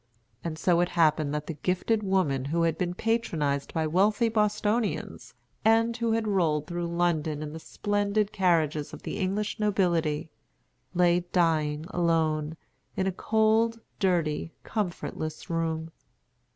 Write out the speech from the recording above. And so it happened that the gifted woman who had been patronized by wealthy Bostonians, and who had rolled through London in the splendid carriages of the English nobility, lay dying alone, in a cold, dirty, comfortless room.